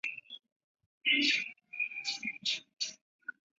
那个商人然后帮助一个不慎跌倒在地的女人捡起了散落在地的一叠纸。